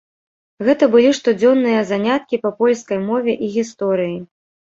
Гэта былі штодзённыя заняткі па польскай мове і гісторыі.